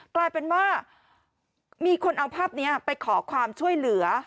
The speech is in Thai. กลายเป็นว่ามีคนเอาภาพนี้ไปขอความช่วยเหลือ